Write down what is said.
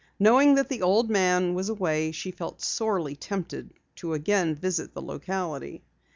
Knowing that the old man was away she felt sorely tempted to again visit the locality.